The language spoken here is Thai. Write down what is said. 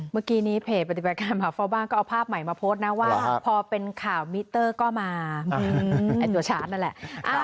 เมื่อกี้นี้เพจปฏิบัติการมหาเฝ้าบ้านก็เอาภาพใหม่มาโพสต์นะว่าพอเป็นข่าวมิเตอร์ก็มาไอ้ตัวชาร์จนั่นแหละ